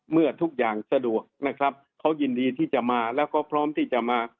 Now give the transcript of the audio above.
เมื่อทุกอย่างสะดวกนะครับเขายินดีที่จะมาแล้วก็พร้อมที่จะมา